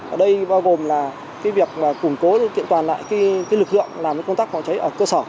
ở đây bao gồm là việc củng cố kiện toàn lại lực lượng làm công tác phòng cháy ở cơ sở